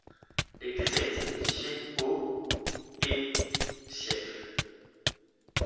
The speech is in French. L'église a été modifiée au et siècles.